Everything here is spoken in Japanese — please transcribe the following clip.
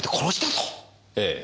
ええ。